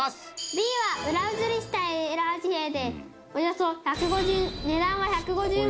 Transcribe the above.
Ｂは裏写りしたエラー紙幣でおよそ１５０値段は１５０万円です。